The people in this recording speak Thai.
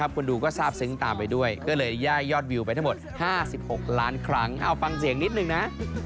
คนดูก็ทราบซึ้งตามไปด้วยก็เลยย่ายยอดวิวไปทั้งหมด๕๖ล้านครั้งเอาฟังเสียงนิดนึงนะ